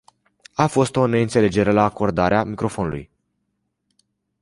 A fost o neînțelegere la acordarea microfonului.